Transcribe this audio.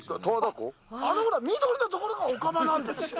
あの緑のところが「御釜」なんですって。